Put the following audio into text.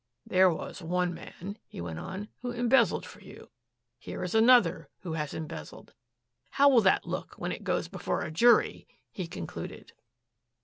"There was one man," he went on, "who embezzled for you. Here is another who has embezzled. How will that look when it goes before a jury!" he concluded.